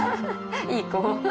いい子。